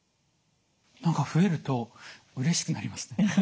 何か増えるとうれしくなりますね。